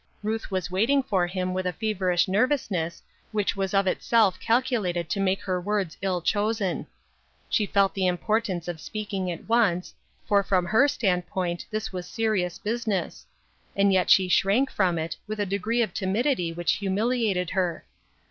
Ruth was waiting for him with a feverish nervous ness, which was of itself calculated to make her words ill chosen. She felt the importance of speaking at once, for from her standpoint this was serious business ; and yet she shrank from it with a degree of timidity which humiliated her.